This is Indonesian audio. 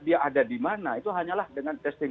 dia ada dimana itu hanyalah dengan testing